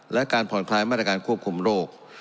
และการผ่อนคลายมาตรการควบคุมโรค